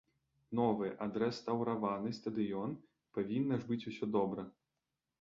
Новы, адрэстаўраваны стадыён, павінна ж быць усё добра.